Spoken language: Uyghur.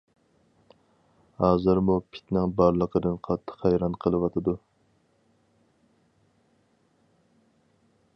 ھازىرمۇ پىتنىڭ بارلىقىدىن قاتتىق ھەيران قىلىۋاتىدۇ.